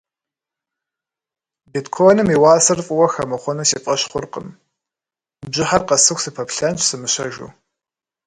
Биткоиным и уасэр фӏыуэ хэмыхъуэну си фӏэщ хъуркъым, бжьыхьэр къэсыху сыпэплъэнщ сымыщэжыу.